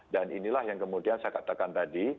dan inilah yang kemudian saya katakan tadi